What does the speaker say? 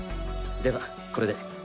ではこれで。